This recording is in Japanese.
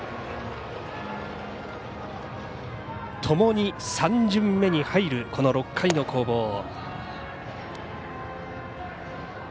ともに３巡目に入る６回の攻防。